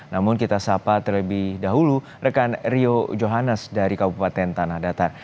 namun kita sapa terlebih dahulu rekan rio johannes dari kabupaten tanah datar